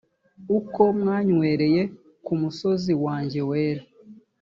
uko mwanywereye ku musozi wanjye wera